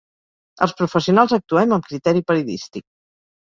Els professionals actuem amb criteri periodístic